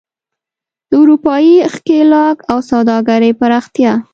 د اروپايي ښکېلاک او سوداګرۍ پراختیا.